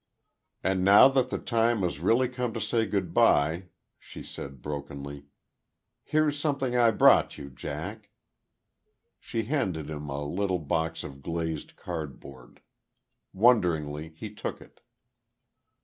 "And now that the time has really come to say good bye," she said, brokenly, "here's something I brought you, Jack." She handed him a little box of glazed cardboard. Wonderingly he took it.